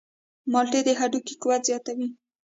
مالټې د هډوکو قوت زیاتوي.